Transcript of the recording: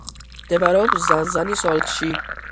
მდებარეობს ზანზანის ოლქში.